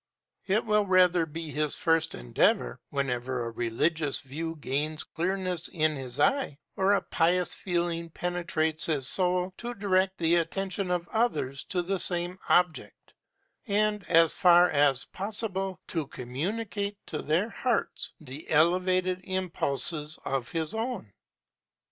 It will rather be his first endeavor, whenever a religious view gains clearness in his eye, or a pious feeling penetrates his soul, to direct the attention of others to the same object, and, as far as possible, to communicate to their hearts the elevated impulses of his own.